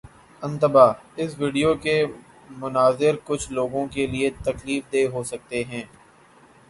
انتباہ: اس ویڈیو کے مناظر کچھ لوگوں کے لیے تکلیف دہ ہو سکتے ہیں